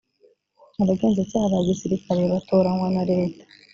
abagenzacyaha ba gisirikare batoranywa na leta